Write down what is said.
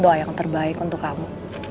doa yang terbaik untuk kamu